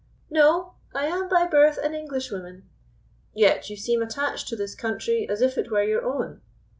"No; I am by birth an Englishwoman." "Yet you seem attached to this country as if it were your own."